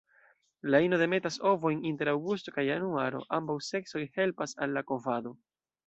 La ino demetas ovojn inter aŭgusto kaj januaro; ambaŭ seksoj helpas al la kovado.